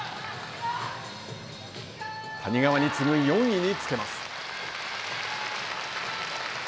谷川に次ぐ４位につけます。